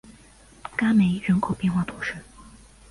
戈梅人口变化图示